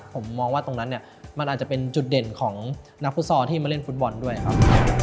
ผมมองว่าตรงนั้นเนี่ยมันอาจจะเป็นจุดเด่นของนักฟุตซอลที่มาเล่นฟุตบอลด้วยครับ